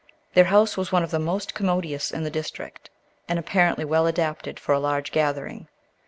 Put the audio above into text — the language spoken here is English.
Their house was one of the most commodious in the district, and apparently well adapted for a large gathering.